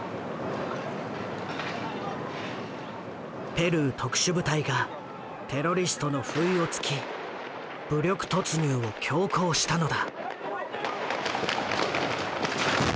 ペルー特殊部隊がテロリストの不意をつき武力突入を強行したのだ。